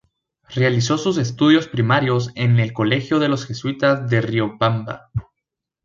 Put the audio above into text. Realizó sus estudios primarios en el colegio de los jesuitas de Riobamba.